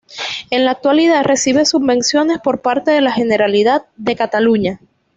En la actualidad recibe subvenciones por parte de la Generalidad de Cataluña.